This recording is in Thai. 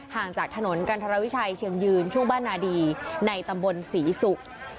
ห่างจากถนนกันทรวิชัยเชียงยืนช่วงบ้านนาดีในตำบลศรีศุกร์